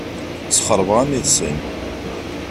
Sxeṛbeɣ-am iḍes-im.